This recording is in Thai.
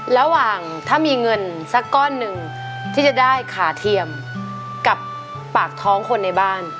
ระหว่างถ้ามีเงินสักก้อนหนึ่งที่จะได้ขาเทียมกับปากท้องคนในบ้าน